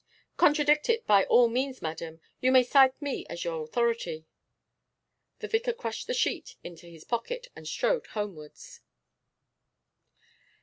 'Contradict it by all means, madam. You may cite me as your authority.' The vicar crushed the sheet into his pocket and strode homewards.